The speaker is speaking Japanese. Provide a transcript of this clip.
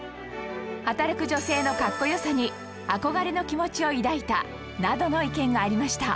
「働く女性のかっこよさに憧れの気持ちを抱いた」などの意見がありました